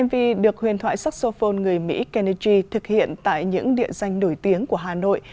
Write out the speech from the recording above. mv được huyền thoại saxophone người mỹ kennedy thực hiện tại những địa danh nổi tiếng của hà nội